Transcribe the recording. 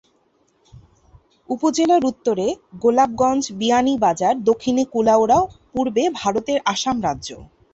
উপজেলার উত্তরে গোলাপগঞ্জ, বিয়ানীবাজার; দক্ষিণে কুলাউড়া; পূর্বে ভারতের আসাম রাজ্য।